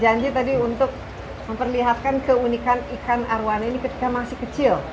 janji tadi untuk memperlihatkan keunikan ikan arowana ini ketika masih kecil